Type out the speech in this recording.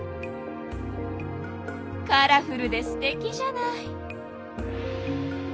カラフルですてきじゃない。